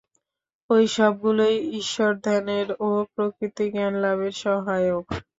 ঐ সবগুলিই ঈশ্বরধ্যানের ও প্রকৃত জ্ঞানলাভের সহায়ক।